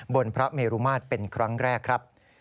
พระเมรุมาตรเป็นครั้งแรกครับ